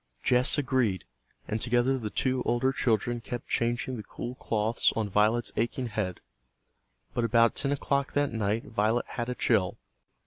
Jess agreed, and together the two older children kept changing the cool cloths on Violet's aching head. But about ten o'clock that night Violet had a chill.